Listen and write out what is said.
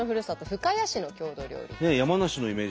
深谷市の郷土料理。